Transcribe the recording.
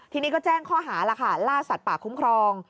ทีนี้ก็แจ้งข้อหาแล้วค่ะล่าสัตว์ป่าคุ้มครอง